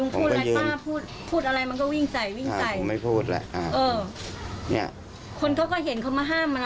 ลูกพูดอะไรป้าพูดอะไรมันก็วิ่งใส่วิ่งใส่